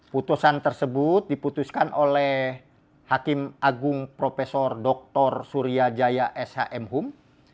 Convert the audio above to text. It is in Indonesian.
putusan tersebut diputuskan oleh hakim agung prof dr surya jaya shmhum